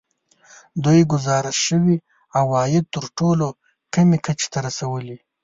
دوی ګزارش شوي عواید تر ټولو کمې کچې ته رسولي